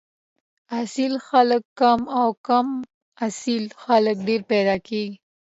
اصل خلک کم او کم اصل خلک ډېر پیدا کیږي